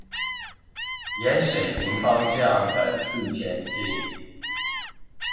沿水平方向等速前進